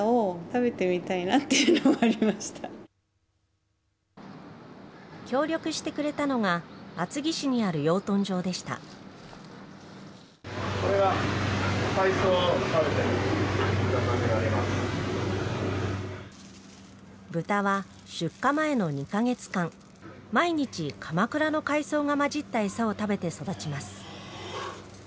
これが、豚は出荷前の２か月間、毎日、鎌倉の海藻が混じった餌を食べて育ちます。